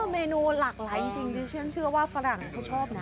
เมนูหลากหลายจริงดิฉันเชื่อว่าฝรั่งเขาชอบนะ